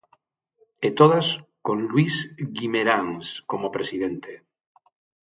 E todas con Luís Guimeráns como presidente.